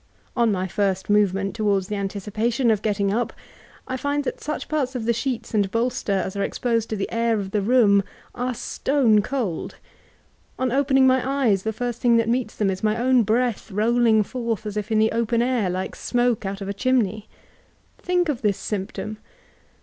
On my first movement towards the anticipatioo of 44 LEIGH HUNT, getting up, I find that such parts of the sheets and bokter, as are exposed to the air of the room, are stone cold. On opening my eyes, the first thing that meets them is my own breath rolling forth, as if in the open air, like smoke out of a cottage chimney. Think of this symptom.